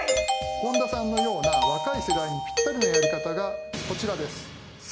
本田さんのような若い世代にピッタリのやり方がこちらです。